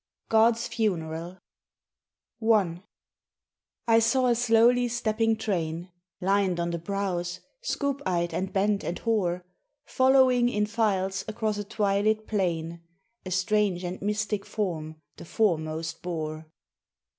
GOD'S FUNERAL I I saw a slowly stepping train— Lined on the brows, scoop eyed and bent and hoar— Following in files across a twilit plain A strange and mystic form the foremost bore.